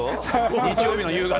日曜日の夕方。